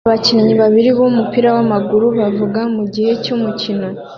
Abakinnyi babiri b'umupira w'amaguru bavuga mugihe cy'umukino